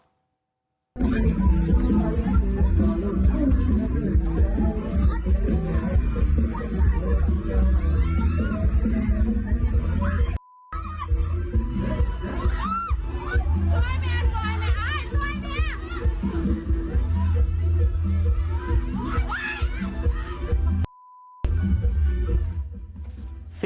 ช่วยแม่ช่วยแม่อ้ายช่วยแม่